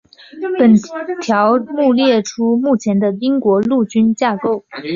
本条目列出目前的英国陆军架构。